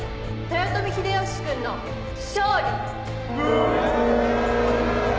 豊臣秀吉君の勝利。